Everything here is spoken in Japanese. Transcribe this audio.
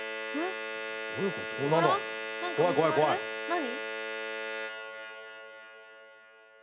何？